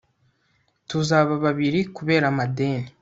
tuzaba babiri kubera amadeni